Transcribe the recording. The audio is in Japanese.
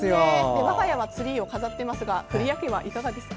我が家はツリーを飾っていますが古谷家はいかがですか。